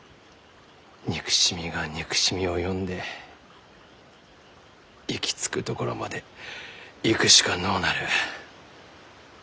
憎しみが憎しみを呼んで行き着くところまで行くしかのうなる。